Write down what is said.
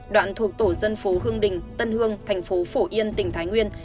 đoạn thuộc tổ dân phố hương đình tân hương thành phố phổ yên tỉnh thái nguyên